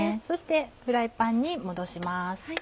そしてフライパンに戻します。